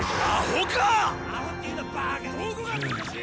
どこが難しい⁉